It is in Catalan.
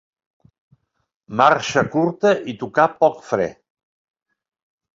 Marxa curta i tocar poc fre.